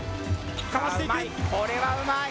これはうまい。